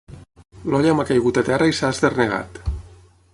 L'olla m'ha caigut a terra i s'ha esdernegat.